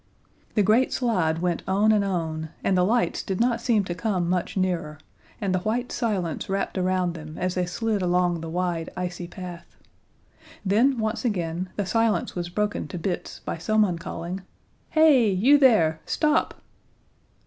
The great slide went on and on, and the lights did not seem to come much nearer, and the white silence wrapped around them as they slid along the wide, icy path. Then once again the silence was broken to bits by someone calling: "Hey! You there! Stop!"